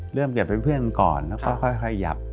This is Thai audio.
เปลี่ยนเป็นเพื่อนก่อนแล้วก็ค่อยหยับ